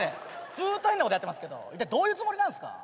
ずっと変なことやってますけどいったいどういうつもりなんすか？